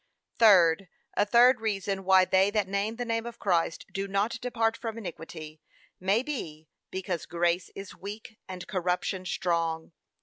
Third, A third reason, why they that name the name of Christ do not depart from iniquity, may be, because GRACE IS WEAK and CORRUPTION STRONG.